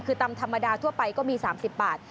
คือตำธรรมดาทั่วไปก็มี๓๐บาท